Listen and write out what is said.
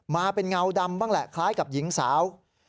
มาเป็นเงาดำบ้างแหละคล้ายกับหญิงสาว